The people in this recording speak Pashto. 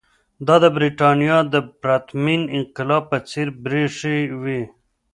دا د برېټانیا د پرتمین انقلاب په څېر پېښې وې.